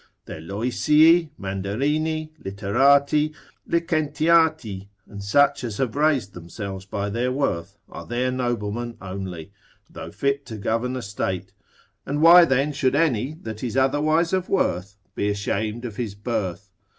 Their Loysii, Mandarini, literati, licentiati, and such as have raised themselves by their worth, are their noblemen only, though fit to govern a state: and why then should any that is otherwise of worth be ashamed of his birth?